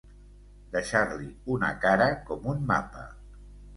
Deixar-li una cara com un mapa.